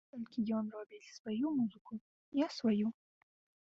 Толькі ён робіць сваю музыку, я сваю.